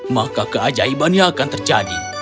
maka keajaibannya akan terjadi